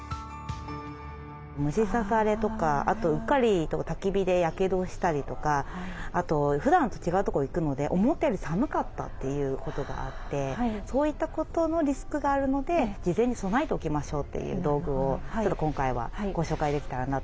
虫刺されとかあとうっかりたき火でやけどしたりとかあとふだんと違うとこ行くので思ったより寒かったっていうことがあってそういったことのリスクがあるので事前に備えておきましょうという道具をちょっと今回はご紹介できたらなと思ってます。